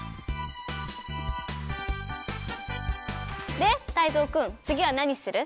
でタイゾウくんつぎはなにする？